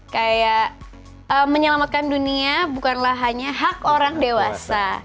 kayak menyelamatkan dunia bukanlah hanya hak orang dewasa